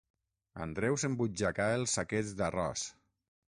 Andreu s'embutxacà els saquets d'arròs.